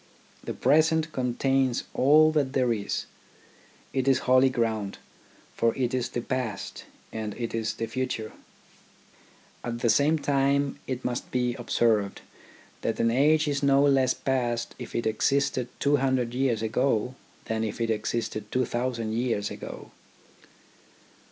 The present contains all that there is. It is holy ground ; for it is the past, and it is the future. At the same time it must be observed that an age is no less past if it existed two hundred years ago than if it existed two thousand THE AIMS OF EDUCATION 7 years ago.